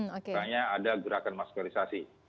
makanya ada gerakan maskerisasi